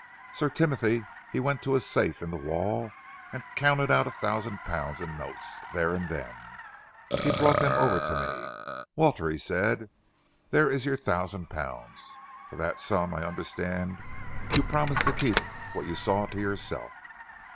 Sir Timothy he went to a safe in the wall and he counted out a thousand pounds in notes, there and then. He brought them over to me. 'Walter,' he said, 'there is your thousand pounds. For that sum I understand you promise to keep what you saw to yourself?'